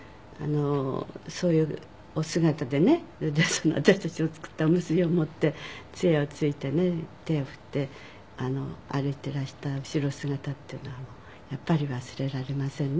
そういうお姿でね私たちの作ったおむすびを持って杖をついてね手を振って歩いていらした後ろ姿っていうのはもうやっぱり忘れられませんね。